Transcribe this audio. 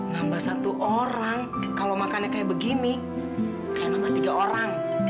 nambah satu orang kalau makannya kayak begini kayak nambah tiga orang